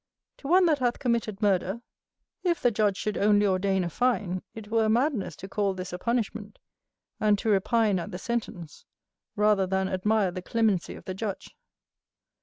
To one that hath committed murder, if the judge should only ordain a fine, it were a madness to call this a punishment, and to repine at the sentence, rather than admire the clemency of the judge.